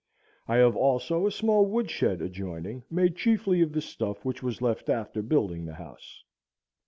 I have also a small wood shed adjoining, made chiefly of the stuff which was left after building the house.